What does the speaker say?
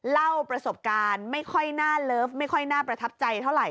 เล่าประสบการณ์ไม่ค่อยน่าเลิฟไม่ค่อยน่าประทับใจเท่าไห